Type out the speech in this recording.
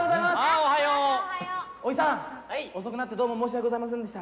おじさん遅くなってどうも申し訳ございませんでした。